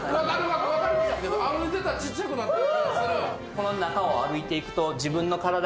この中を歩いていくと。